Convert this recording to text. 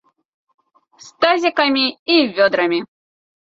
З тазікамі і вёдрамі!